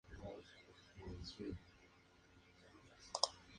Su dirección es Manuela Pedraza y O'Higgins.